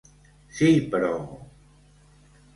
Sí, però...